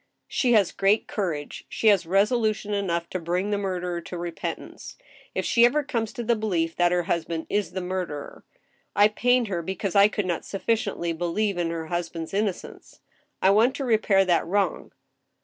She has great courage. She has resolution enough to bring the murderer to repentance (if she ever comes to the belief that her husband is the murderer). I pained her because I could not suffi ciently believe in her husband's innocence. I want to repair that wrong.